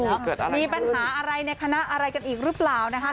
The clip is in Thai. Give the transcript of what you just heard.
เกิดอะไรขึ้นมีปัญหาอะไรในคณะอะไรกันอีกหรือเปล่านะคะ